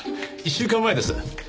１週間前です。